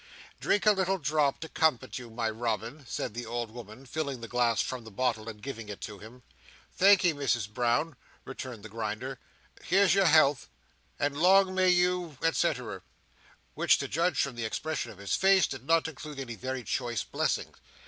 "Drink a little drop to comfort you, my Robin," said the old woman, filling the glass from the bottle and giving it to him. "Thank'ee, Misses Brown," returned the Grinder. "Here's your health. And long may you—et ceterer." Which, to judge from the expression of his face, did not include any very choice blessings.